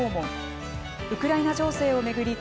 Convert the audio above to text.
ウクライナ情勢を巡り